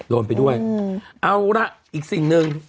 โดนไปด้วยเอาล่ะอีกสิ่งหนึ่ง